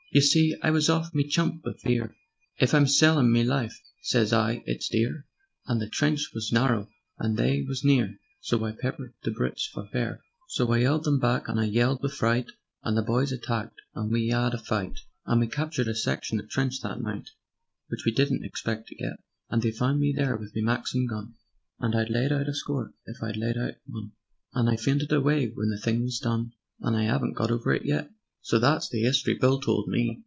You see I was off me chump wiv fear: 'If I'm sellin' me life,' sez I, 'it's dear.' And the trench was narrow and they was near, So I peppered the brutes for fair. "So I 'eld 'em back and I yelled wiv fright, And the boys attacked and we 'ad a fight, And we 'captured a section o' trench' that night Which we didn't expect to get; And they found me there with me Maxim gun, And I'd laid out a score if I'd laid out one, And I fainted away when the thing was done, And I 'aven't got over it yet." So that's the 'istory Bill told me.